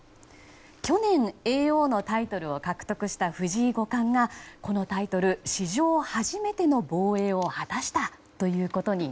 去年、叡王のタイトルを獲得した藤井五冠がこのタイトル史上初めての防衛を果たしたということに